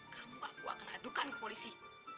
kamu aku akan adukan ke polisi